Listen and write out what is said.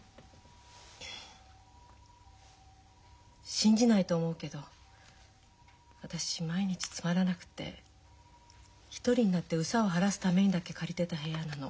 信じないと思うけど私毎日つまらなくて一人になって憂さを晴らすためにだけ借りてた部屋なの。